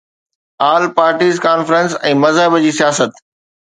آل parties conference ۽ مذهب جي سياست